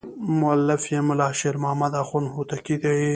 مؤلف یې ملا شیر محمد اخوند هوتکی دی.